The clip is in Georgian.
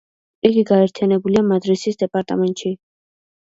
იგი გაერთიანებულია მადრისის დეპარტამენტში.